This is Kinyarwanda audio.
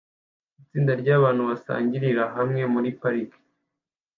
Itsinda ryabantu basangirira hamwe muri parike